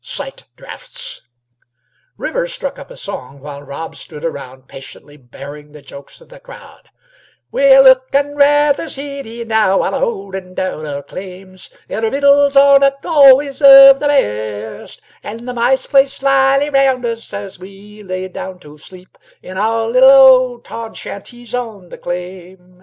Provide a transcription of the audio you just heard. Sight drafts." Rivers struck up a song, while Rob stood around, patiently bearing the jokes of the crowd: "We're lookin' rather seedy now, While holdin' down our claims, And our vittles are not always of the best, And the mice play slyly round us As we lay down to sleep In our little old tarred shanties on the claim.